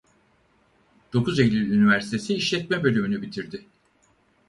Dokuz Eylül Üniversitesi İşletme Bölümü'nü bitirdi.